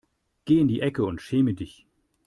Geh in die Ecke und schäme dich.